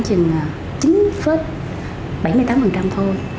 chừng chín bảy mươi tám thôi